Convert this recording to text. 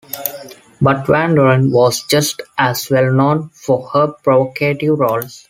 But Van Doren was just as well known for her provocative roles.